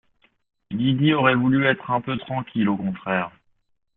Lydie aurait bien voulu être un peu tranquille, au contraire